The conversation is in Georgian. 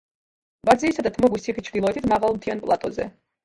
ვარძიისა და თმოგვის ციხის ჩრდილოეთით, მაღალ მთიან პლატოზე.